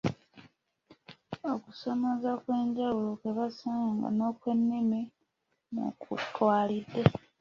Okusomoooza okw’enjawulo kwe basanga nga n’okwennimi mw’okutwalidde.